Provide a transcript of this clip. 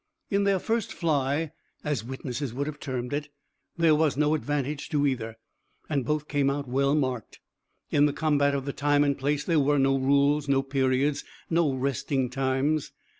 In their first fly, as witnesses would have termed it, there was no advantage to either, and both came out well marked. In the combat of the time and place there were no rules, no periods, no resting times.